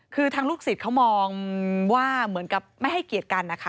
คือทางลูกศิษย์เขามองว่าเหมือนกับไม่ให้เกียรติกันนะคะ